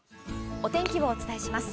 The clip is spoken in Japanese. お天気をお伝えします。